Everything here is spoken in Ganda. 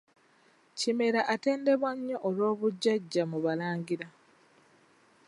Kimera atendebwa nnyo olw'obujjajja mu Balangira.